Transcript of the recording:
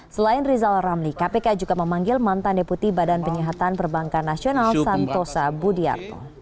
selain rizal ramli kpk juga memanggil mantan deputi badan penyihatan perbankan nasional santosa budiarto